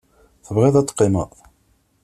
Tebɣiḍ ad teqqimeḍ?